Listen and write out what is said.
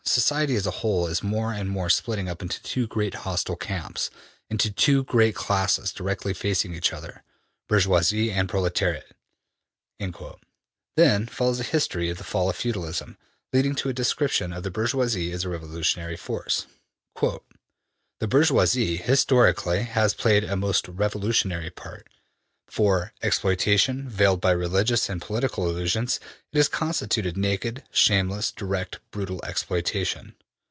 Society as a whole is more and more splitting up into two great hostile camps, into two great classes directly facing each other: Bourgeoisie and Proletariat.'' Then follows a history of the fall of feudalism, leading to a description of the bourgeoisie as a revolutionary force. ``The bourgeoisie, historically, has played a most revolutionary part.'' ``For exploitation, veiled by religious and political illusions, it has substituted naked, shameless, direct, brutal exploitation.''